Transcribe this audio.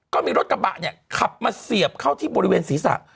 ก็มีรถกระบะเนี่ยขับมาเสียบเข้าที่บริเวณศีรษะ